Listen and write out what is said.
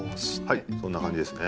はいそんな感じですね。